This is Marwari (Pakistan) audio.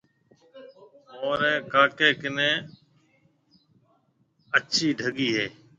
مهاريَ ڪاڪيَ ڪنَي اَسِي ڊڳي هيَ۔